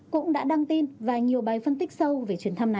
cũng đã đăng tin và nhiều bài phân tích sâu về chuyến thăm này